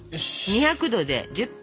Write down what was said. ２００℃で１０分。